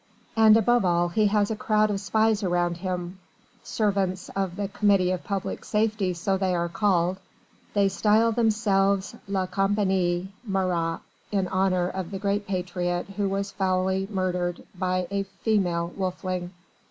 And above all he has a crowd of spies around him servants of the Committee of Public Safety so they are called they style themselves "La Compagnie Marat" in honour of the great patriot who was foully murdered by a female wolfling.